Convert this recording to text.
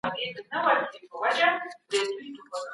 تاسي تل د نويو شیانو زده کړه کوئ.